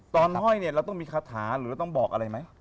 ตอนห้อยเราต้องมีคาถาหรือต้องบอกอะไรไหม